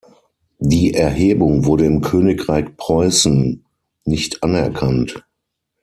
Die Erhebung wurde im Königreich Preußen nicht anerkannt.